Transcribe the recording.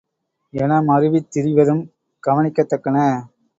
என மருவித் திரிவதும், கவனிக்கத்தக்கன.